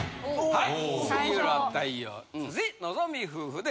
はい。